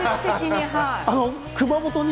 熊本に。